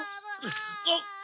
あっ。